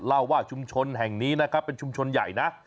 เล่าว่าชุมชนแห่งนี้นะครับเป็นชุมชนใหญ่นะ